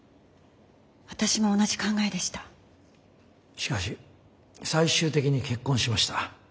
しかし最終的に結婚しました。